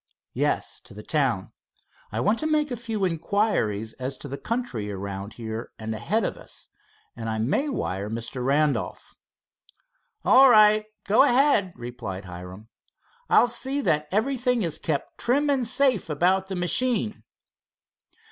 "Yes, to the town. I want to make a few inquiries as to the country around here and ahead of us, and I may wire Mr. Randolph." "All right, go ahead," replied Hiram. "I'll see that everything is kept trim and safe about the machine."